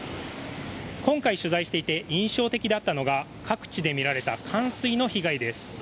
今回、取材していて印象的だったのが各地で見られた冠水の被害です。